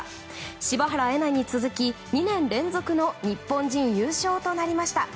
柴原瑛菜に続き、２年連続の日本人優勝となりました。